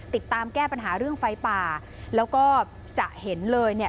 ติดตามแก้ปัญหาเรื่องไฟป่าแล้วก็จะเห็นเลยเนี่ย